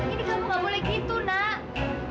ini kamu gak boleh gitu nak